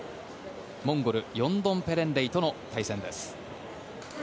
モンゴルヨンドンペレンレイとの対戦です。